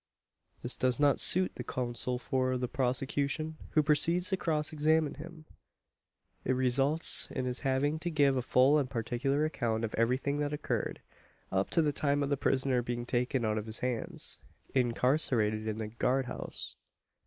This does not suit the counsel for the prosecution, who proceeds to cross examine him. It results in his having to give a full and particular account of everything that occurred up to the time of the prisoner being taken out of his hands, and incarcerated in the guard house.